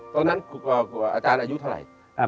ตอนนั้นกลัวอาจารย์อายุเท่าไหร่